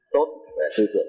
tốt về tư tưởng